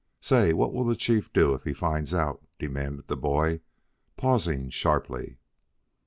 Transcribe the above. Say, what will the chief do if he finds it out?" demanded the boy, pausing sharply.